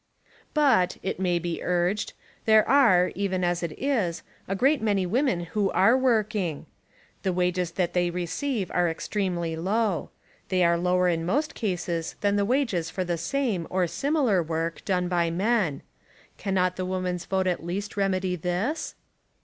But, it may be urged, there are, even as it is, a great many women who are working. The wages that they receive are extremely low. They are lower in most cases than the wages for the same, or similar work, done by men. Cannot the woman's vote at least remedy this?